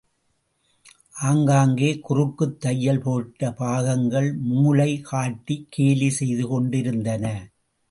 ஆங்காங்கே குறுக்குத் தையல் போட்ட பாகங்கள், மூலை காட்டிக் கேலி செய்து கொண்டிருந்தன.